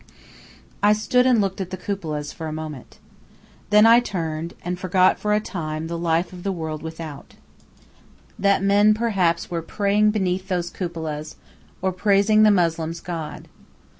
I stood and looked at the cupolas for a moment. Then I turned, and forgot for a time the life of the world without that men, perhaps, were praying beneath those cupolas, or praising the Moslem's God.